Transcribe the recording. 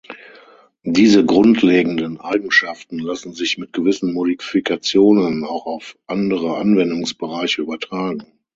Diese grundlegenden Eigenschaften lassen sich mit gewissen Modifikationen auch auf andere Anwendungsbereiche übertragen.